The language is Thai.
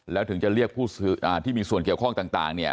แล้วถึงจะเรียกผู้ที่มีส่วนเกี่ยวข้องต่างเนี่ย